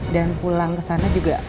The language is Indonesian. dan pulang kesana juga